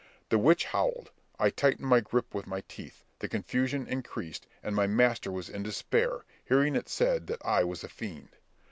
The witch howled, I tightened my grip with my teeth, the confusion increased, and my master was in despair, hearing it said that I was a fiend.